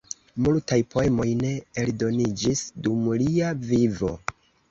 Multaj poemoj ne eldoniĝis dum lia vivo.